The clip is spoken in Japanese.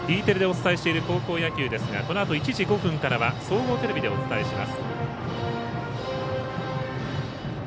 Ｅテレでお伝えしている高校野球ですがこのあと１時５分からは総合テレビでお伝えします。